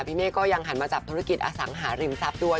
เมฆก็ยังหันมาจับธุรกิจอสังหาริมทรัพย์ด้วย